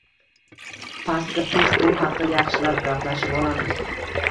Pastga tush, bu haqda yaxshilab gaplashib olamiz